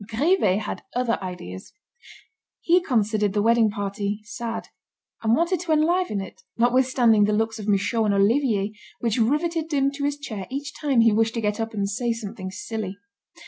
Grivet had other ideas. He considered the wedding party sad, and wanted to enliven it, notwithstanding the looks of Michaud and Olivier which riveted him to his chair each time he wished to get up and say something silly.